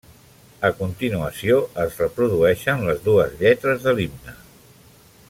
A continuació es reprodueixen les dues lletres de l'himne.